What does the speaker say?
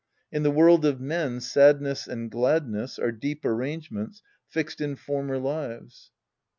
In the world of men sadness and gladness are deep arrangements fixed in former lives.